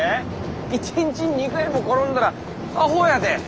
一日に２回も転んだらアホやで。